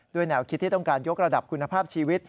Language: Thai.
แนวคิดที่ต้องการยกระดับคุณภาพชีวิต